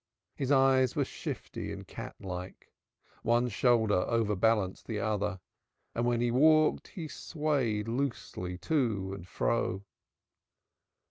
His eyes were shifty and catlike; one shoulder overbalanced the other, and when he walked, he swayed loosely to and fro.